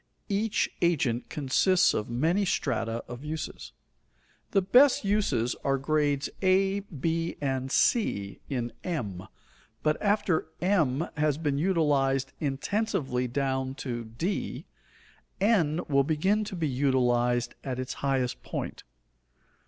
Each agent consists of many strata of uses. The best uses are grades a, b, and c, in M; but after M has been utilized intensively down to d, N will begin to be utilized at its highest point.